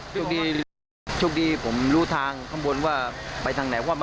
ผมก็ดึงลูกมาอีกทีนึงครับ